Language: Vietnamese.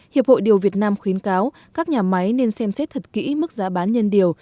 hiệp hội điều việt nam khuyến cáo các nhà máy nên xem xét thật kỹ mức giá bán nhân điều